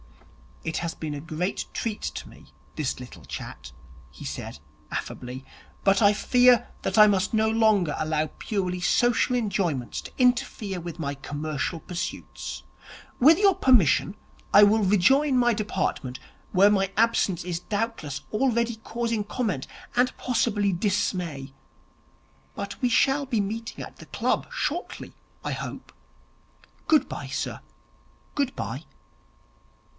'It has been a great treat to me, this little chat,' he said affably, 'but I fear that I must no longer allow purely social enjoyments to interfere with my commercial pursuits. With your permission, I will rejoin my department, where my absence is doubtless already causing comment and possibly dismay. But we shall be meeting at the club shortly, I hope. Good bye, sir, good bye.'